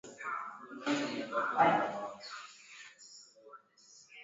miaka thelathini chini ya malkia Njinga katika karne ya ya kumi na